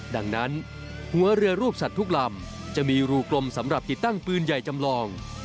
ดังนั้นหัวเรือรูปสัตว์ทุกลำจะมีรูกลมสำหรับติดตั้งปืนใหญ่จำลอง